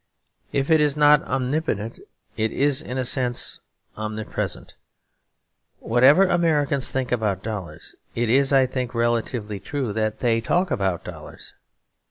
If it is not omnipotent it is in a sense omnipresent. Whatever Americans think about dollars, it is, I think, relatively true that they talk about dollars.